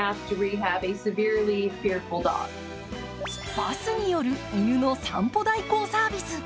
バスによる犬の散歩代行サービス。